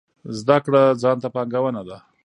زده کړه ځان ته پانګونه ده